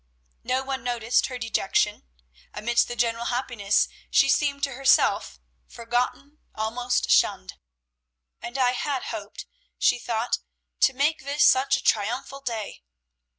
No one noticed her dejection. Amidst the general happiness she seemed to herself forgotten, almost shunned. "And I had hoped," she thought, "to make this such a triumphal day!"